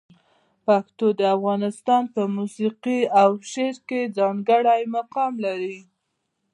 پښتو د افغانستان په موسیقي او شعر کې ځانګړی مقام لري.